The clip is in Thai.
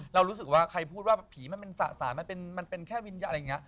เรารู้สึกว่าใครพูดว่าผีมันเป็นสะสานมันเป็นแค่วิญญาณอะไรอย่างนี้